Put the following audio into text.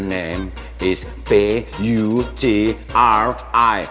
nama dia p u t r i